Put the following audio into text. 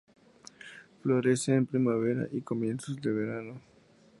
Florece en primavera y comienzos del verano.